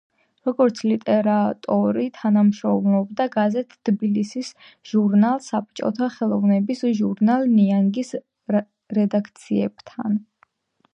როგორც ლიტერატორი თანამშრომლობდა გაზეთ „თბილისის“, ჟურნალ „საბჭოთა ხელოვნების“, ჟურნალ „ნიანგის“ რედაქციებთან.